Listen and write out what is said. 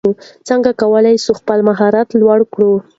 څنګه کولای سو خپل مهارت لوړ کړو؟